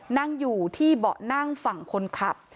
นั่งอยู่ที่เบาะนั่งฝั่งคนขับ